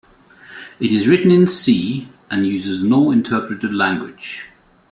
It is written in C and uses no interpreted language.